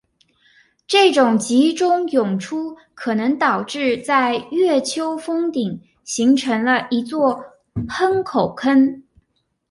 这种集中涌出可能导致在月丘峰顶形成了一座喷口坑。